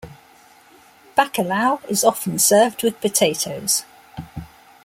Bacalhau is often served with potatoes.